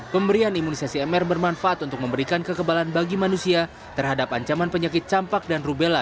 pemberian imunisasi mr bermanfaat untuk memberikan kekebalan bagi manusia terhadap ancaman penyakit campak dan rubella